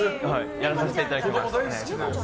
やらさせていただきます。